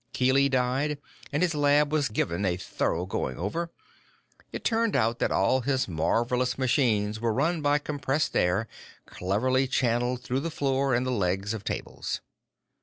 Keely died, and his lab was given a thorough going over. It turned out that all his marvelous machines were run by compressed air cleverly channeled through the floor and the legs of tables."